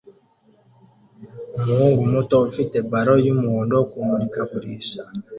Umuhungu muto ufite ballon yumuhondo kumurikagurisha